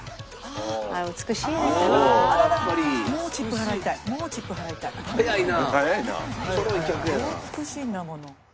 お美しいんだもの。